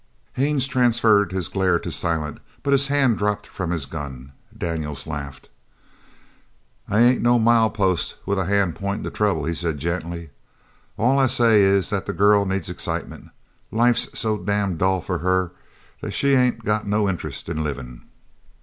Haines transferred his glare to Silent, but his hand dropped from his gun. Daniels laughed. "I ain't no mile post with a hand pointin' to trouble," he said gently. "All I say is that the girl needs excitement. Life's so damned dull for her that she ain't got no interest in livin'."